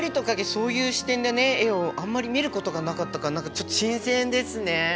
そういう視点で絵をあんまり見ることがなかったから何かちょっと新鮮ですね！